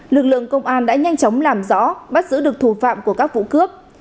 lực lượng công an đã nhanh chóng làm rõ bắt giữ được thủ phạm của các vụ cướp